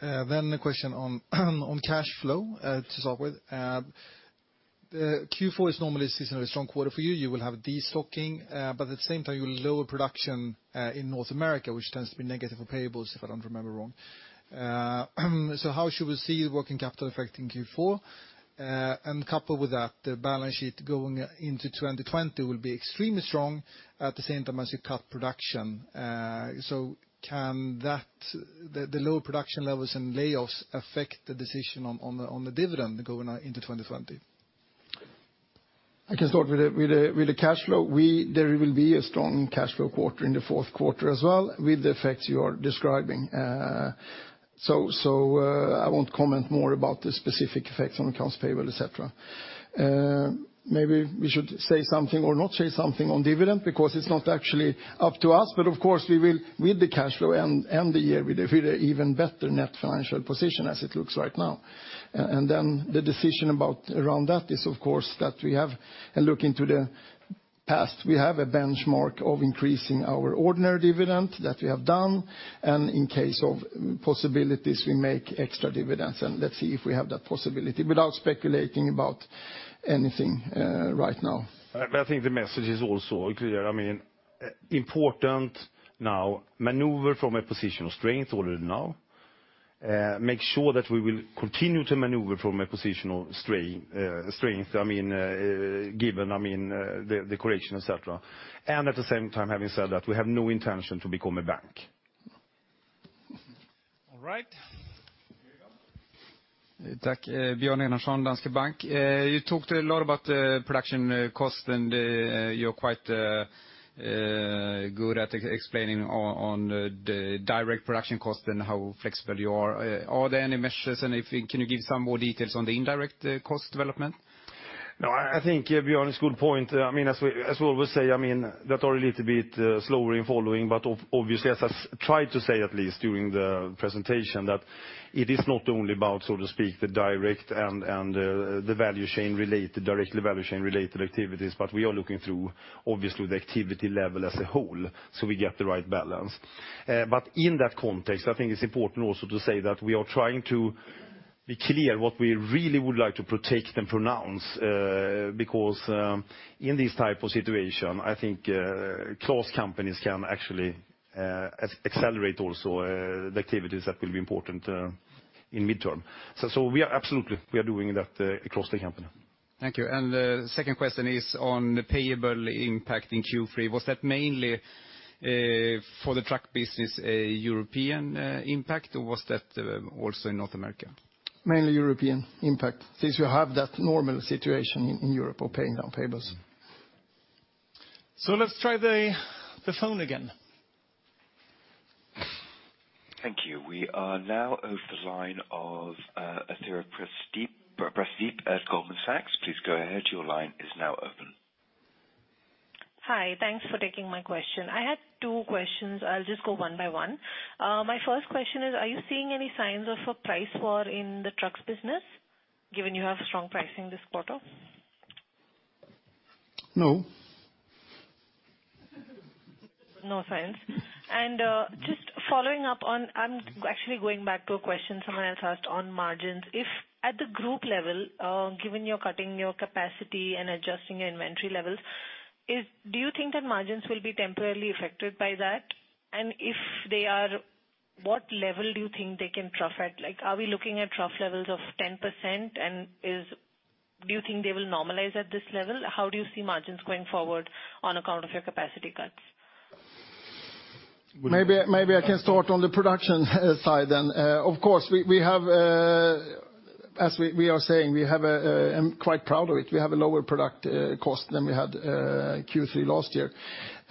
A question on cash flow to start with. Q4 is normally a seasonally strong quarter for you. You will have de-stocking, but at the same time, you lower production in North America, which tends to be negative for payables, if I don't remember wrong. How should we see working capital effect in Q4? Coupled with that, the balance sheet going into 2020 will be extremely strong at the same time as you cut production. Can the lower production levels and layoffs affect the decision on the dividend going into 2020? I can start with the cash flow. There will be a strong cash flow quarter in the fourth quarter as well with the effects you are describing. I won't comment more about the specific effects on accounts payable, et cetera. Maybe we should say something or not say something on dividend because it's not actually up to us. Of course we will, with the cash flow and the year, with an even better net financial position as it looks right now. The decision around that is, of course, that we have, and looking to the past, we have a benchmark of increasing our ordinary dividend that we have done. In case of possibilities, we make extra dividends. Let's see if we have that possibility without speculating about anything right now. I think the message is also clear. Important now, maneuver from a position of strength already now. Make sure that we will continue to maneuver from a position of strength, given the correction, et cetera. At the same time, having said that, we have no intention to become a bank. All right. Here we go. Danske Bank. You talked a lot about the production cost, and you're quite good at explaining on the direct production cost and how flexible you are. Are there any measures, and can you give some more details on the indirect cost development? I think it'd be honest, good point. As we always say, that are a little bit slower in following, obviously, as I tried to say at least during the presentation, that it is not only about, so to speak, the direct and the directly value chain related activities, we are looking through, obviously, the activity level as a whole so we get the right balance. In that context, I think it's important also to say that we are trying to be clear what we really would like to protect and pronounce, because in this type of situation, I think close companies can actually accelerate also the activities that will be important in mid-term. Absolutely, we are doing that across the company. Thank you. The second question is on the payable impact in Q3. Was that mainly for the truck business a European impact, or was that also in North America? Mainly European impact, since you have that normal situation in Europe of paying down payables. Let's try the phone again. Thank you. We are now over the line of Daniela Costa at Goldman Sachs. Please go ahead. Your line is now open. Hi, thanks for taking my question. I had two questions. I'll just go one by one. My first question is, are you seeing any signs of a price war in the trucks business, given you have strong pricing this quarter? No. No signs. Just following up on, I'm actually going back to a question someone else asked on margins. If at the group level, given you're cutting your capacity and adjusting your inventory levels, do you think that margins will be temporarily affected by that? If they are, what level do you think they can trough at? Are we looking at trough levels of 10%? Do you think they will normalize at this level? How do you see margins going forward on account of your capacity cuts? Maybe I can start on the production side. Of course, as we are saying, I'm quite proud of it, we have a lower product cost than we had Q3 last year.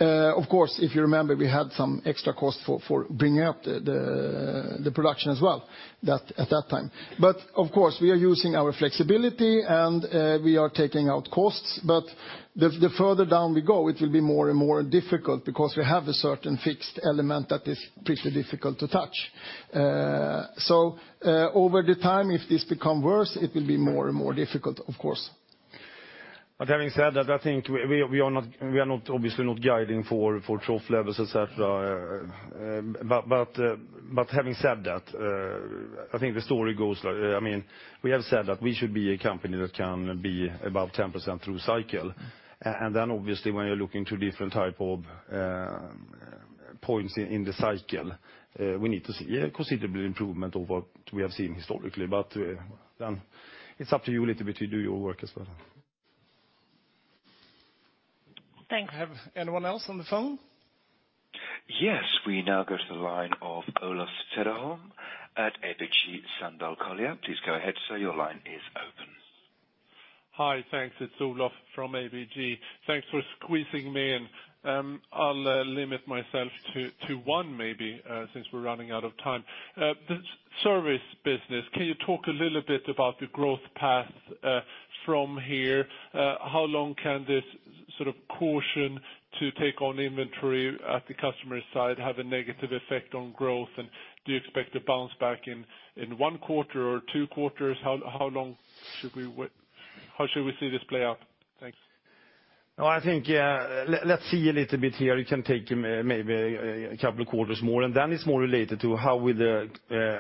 Of course, if you remember, we had some extra cost for bringing up the production as well at that time. Of course, we are using our flexibility and we are taking out costs. The further down we go, it will be more and more difficult because we have a certain fixed element that is pretty difficult to touch. Over the time, if this become worse, it will be more and more difficult, of course. Having said that, I think we are obviously not guiding for trough levels, et cetera. Having said that, I think the story goes like, we have said that we should be a company that can be above 10% through cycle. Obviously, when you're looking to different type of points in the cycle, we need to see considerably improvement over what we have seen historically. Then it's up to you little bit to do your work as well. Thanks. Have anyone else on the phone? Yes. We now go to the line of Olof Cederholm at ABG Sundal Collier. Please go ahead, sir. Your line is open. Hi. Thanks. It's Olof from ABG. Thanks for squeezing me in. I'll limit myself to one maybe, since we're running out of time. The service business, can you talk a little bit about the growth path from here? How long can this sort of caution to take on inventory at the customer side have a negative effect on growth? Do you expect to bounce back in one quarter or two quarters? How long should we wait? How should we see this play out? Thanks. I think, let's see a little bit here. It can take maybe a couple of quarters more, and then it's more related to how will the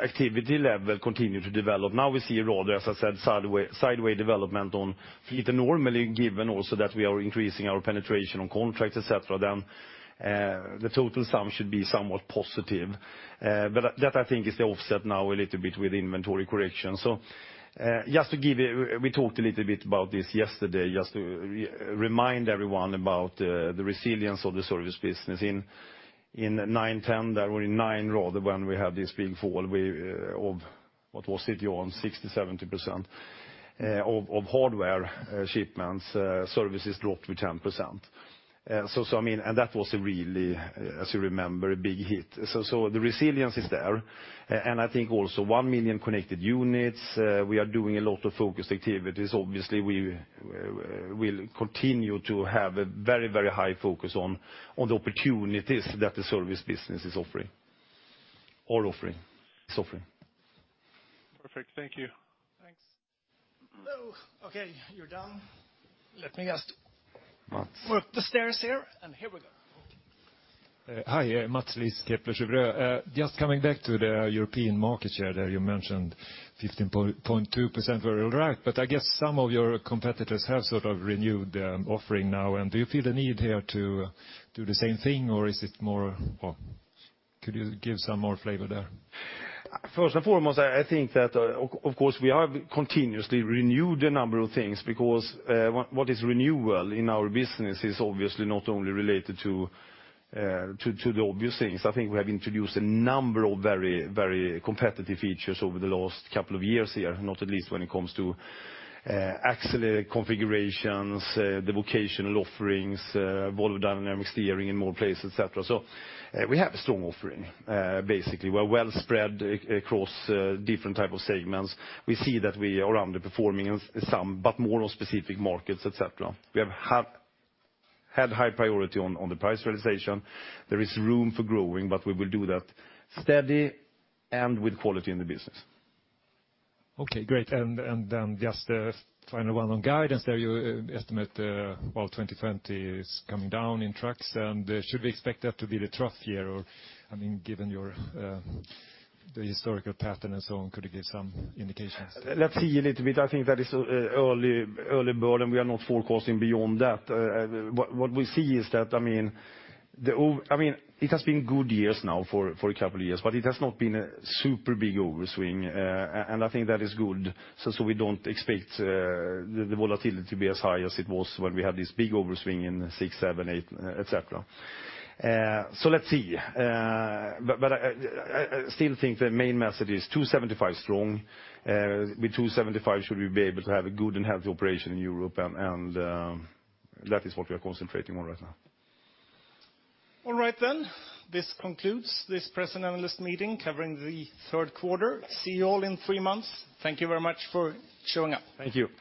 activity level continue to develop. Now we see rather, as I said, sideway development on fleet. Normally given also that we are increasing our penetration on contracts, et cetera, then the total sum should be somewhat positive. That I think is the offset now a little bit with inventory correction. Just to give you, we talked a little bit about this yesterday, just to remind everyone about the resilience of the service business. In 2009, 2010, there were in 2009 rather when we had this big fall, we of what was it, Johan? 60%-70% of hardware shipments, services dropped with 10%. That was a really, as you remember, a big hit. The resilience is there. I think also 1 million connected units, we are doing a lot of focused activities. Obviously, we will continue to have a very, very high focus on the opportunities that the service business is offering. Perfect. Thank you. Thanks. Hello. Okay, you're done. Mats work the stairs here. Here we go. Hi. Mats Liss, Kepler Cheuvreux. Just coming back to the European market share there you mentioned 15.2% for your trucks, but I guess some of your competitors have sort of renewed their offering now. Do you feel the need here to do the same thing? Could you give some more flavor there? First and foremost, I think that, of course, we have continuously renewed a number of things because, what is renewal in our business is obviously not only related to the obvious things. I think we have introduced a number of very competitive features over the last couple of years here, not at least when it comes to axle configurations, the vocational offerings, Volvo Dynamic Steering in more places, et cetera. We have a strong offering. Basically, we're well spread across different type of segments. We see that we are underperforming in some, but more on specific markets, et cetera. We have had high priority on the price realization. There is room for growing, but we will do that steady and with quality in the business. Okay, great. Then just a final one on guidance there, you estimate, while 2020 is coming down in trucks, and should we expect that to be the trough year? Given your historical pattern and so on, could you give some indications? Let's see a little bit. I think that is a bit early. We are not forecasting beyond that. What we see is that it has been good years now for a couple of years, but it has not been a super big overswing. I think that is good, so we don't expect the volatility to be as high as it was when we had this big overswing in 2006, 2007, 2008, et cetera. Let's see. I still think the main message is 275 strong. With 275 should we be able to have a good and healthy operation in Europe, and that is what we are concentrating on right now. All right. This concludes this press and analyst meeting covering the third quarter. See you all in three months. Thank you very much for showing up. Thank you. Thank you.